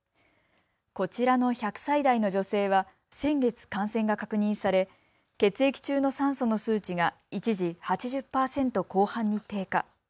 こちらの１００歳代の女性は先月、感染が確認され血液中の酸素の数値が一時、８０％後半に低下。